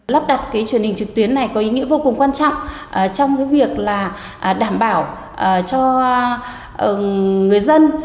lắp đặt cái truyền hình trực tuyến này có ý nghĩa vô cùng quan trọng trong việc là đảm bảo cho người dân